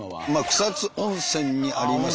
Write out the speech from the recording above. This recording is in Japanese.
草津温泉にあります